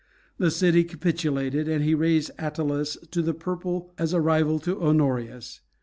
The city capitulated, and he raised Attalus to the purple as a rival to Honorius.